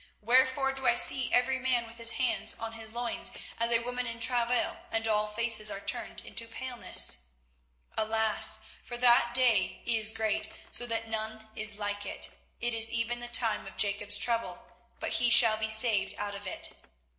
wherefore do I see every man with his hands on his loins, as a woman in travail, and all faces are turned into paleness? 24:030:007 Alas! for that day is great, so that none is like it: it is even the time of Jacob's trouble, but he shall be saved out of it.